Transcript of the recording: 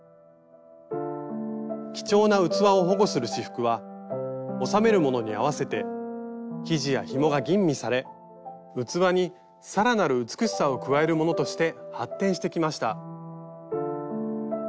貴重な器を保護する仕覆は収めるものに合わせて生地やひもが吟味され器に更なる美しさを加えるものとして発展してきました。